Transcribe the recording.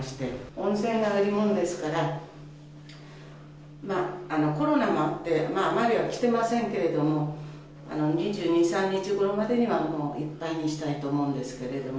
温泉が売り物ですから、コロナもあって、あまりは来てませんけども、２２、３日ごろにはいっぱいにしたいと思うんですけれども。